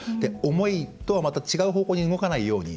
思いと違う方向に動かないように。